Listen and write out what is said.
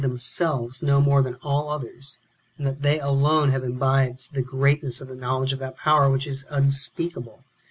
55 themselves know more than all others, and that they alone have imbibed the greatness of the knowledge of that power which is unspeakable.